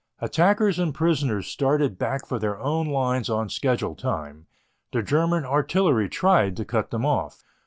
Attackers and prisoners started back for their own lines on schedule time. The German artillery tried to cut them off.